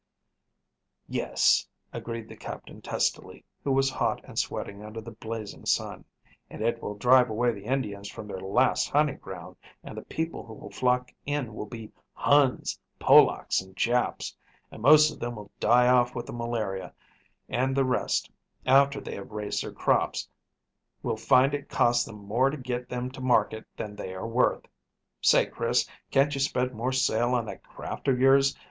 "Yes," agreed the Captain testily, who was hot and sweating under the blazing sun, "and it will drive away the Indians from their last hunting ground, and the people who will flock in will be Huns, Polacks and Japs, and most of them will die off with the malaria, and the rest, after they have raised their crops, will find it costs them more to get them to market than they are worth. Say, Chris, can't you spread more sail on that craft of yours?